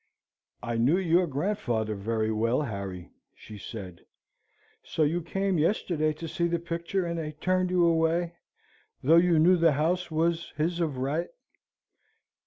"I knew your grandfather very well, Harry," she said. "So you came yesterday to see his picture, and they turned you away, though you know the house was his of right?"